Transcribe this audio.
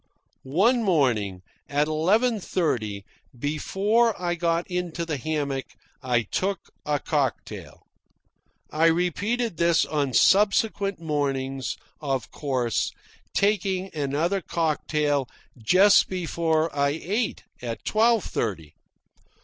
One morning, at eleven thirty, before I got into the hammock, I took a cocktail. I repeated this on subsequent mornings, of course, taking another cocktail just before I ate at twelve thirty.